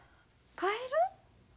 帰る？